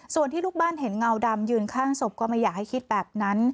ส่วนที่ลูกบ้านเห็นเงาดำยืนข้างศพก็ไม่อยากให้คิดแบบนั้น